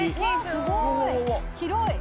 すごい。